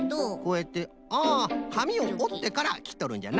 あかみをおってからきっとるんじゃな。